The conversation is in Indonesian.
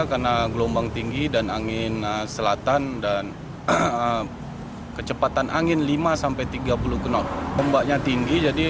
karena gelombang tinggi dan angin selatan dan kecepatan angin lima tiga puluh knot tembaknya tinggi jadi